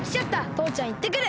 とうちゃんいってくる！